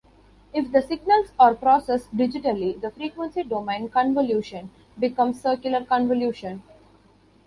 If the signals are processed digitally, the frequency-domain convolution becomes circular convolution.